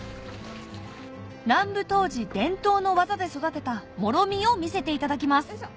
南部杜氏伝統の技で育てた醪を見せていただきます